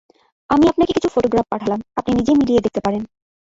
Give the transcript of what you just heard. আমি আপনাকে কিছু ফটোগ্রাফ পাঠালাম, আপনি নিজেই মিলিয়ে দেখতে পারেন।